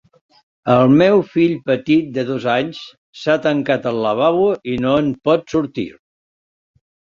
El meu fill petit de dos anys s'ha tancat al lavabo i no en pot sortir.